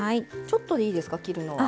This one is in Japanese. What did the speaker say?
ちょっとでいいですか切るのは。